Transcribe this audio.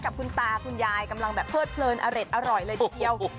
กับคุณตาคุณยายกำลังแบบเพิดเพลินอเร็ดอร่อยเลยทีเดียว